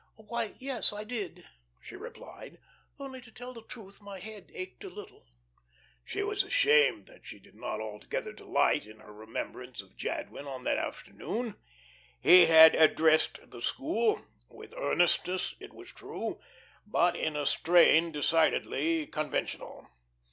"Why, yes I did," she replied. "Only, to tell the truth, my head ached a little." She was ashamed that she did not altogether delight in her remembrance of Jadwin on that afternoon. He had "addressed" the school, with earnestness it was true, but in a strain decidedly conventional.